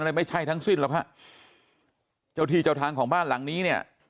ไม่ใช่ทั้งสิ้นหรอกฮะเจ้าที่เจ้าทางของบ้านหลังนี้เนี่ย